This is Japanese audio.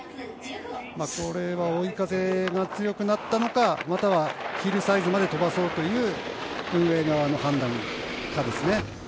これは追い風が強くなったのかまたはヒルサイズまで飛ばそうという運営側の判断かですね。